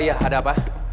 iya ada apa